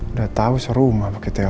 udah tau seru mah pake telfon